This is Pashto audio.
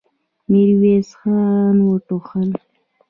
ميرويس خان وټوخل.